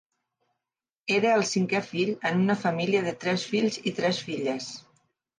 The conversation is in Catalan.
Era el cinquè fill, en una família de tres fills i tres filles.